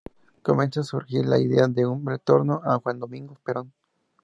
Comenzó a surgir la idea de un retorno a Juan Domingo Perón.